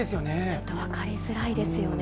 ちょっと分かりづらいですよね。